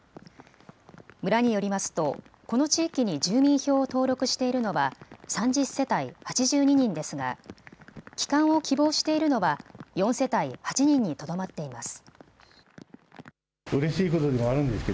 村によりますとこの地域に住民票を登録しているのは３０世帯、８２人ですが帰還を希望しているのは４世帯８人にとどまっています。